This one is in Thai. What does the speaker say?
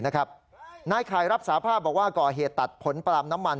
นายข่ายรับสาภาพบอกว่าก่อเหตุตัดผลปลามน้ำมัน